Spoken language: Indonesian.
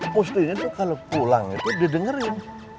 pastinya tuh kalo pulang itu didengerin